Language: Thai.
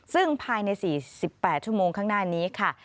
ซึ่งภายใน๔๘ชั่วโมงข้างหน้านี้ค่ะ